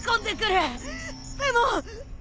でも。